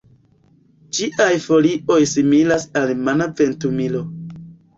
Ĝiaj folioj similas al mana ventumilo.